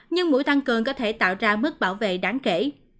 nhưng mũi tăng cường có thể tạo ra mức bảo vệ đáng kể